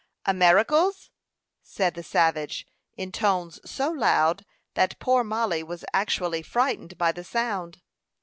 "Americals?" said the savage, in tones so loud that poor Mollie was actually frightened by the sound.